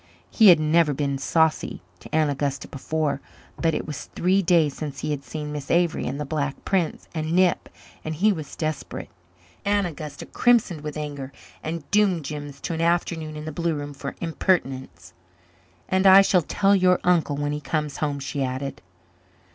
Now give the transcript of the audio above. He had never been saucy to Aunt Augusta before. But it was three days since he had seen Miss Avery and the Black Prince and Nip and he was desperate. Aunt Augusta crimsoned with anger and doomed Jims to an afternoon in the blue room for impertinence. "And I shall tell your uncle when he comes home," she added.